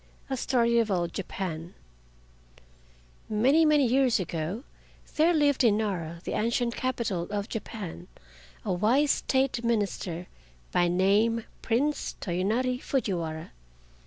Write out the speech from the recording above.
A STORY OF OLD JAPAN Many, many years ago there lived in Nara, the ancient Capital of Japan, a wise State minister, by name Prince Toyonari Fujiwara.